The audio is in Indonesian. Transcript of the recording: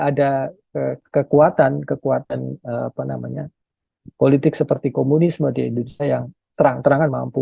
ada kekuatan kekuatan politik seperti komunisme di indonesia yang terang terangan mampu